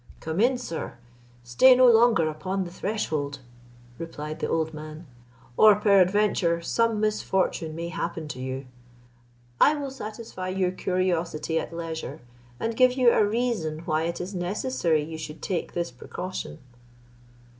"Come in, sir; stay no longer upon the threshold," replied the old man, "or peradventure some misfortune may happen to you. I will satisfy your curiosity at leisure, and give you a reason why it is necessary you should take this precaution."